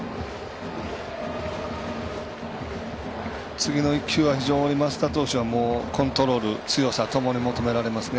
次の１球は非常に増田投手はコントロール、強さともに求められますね。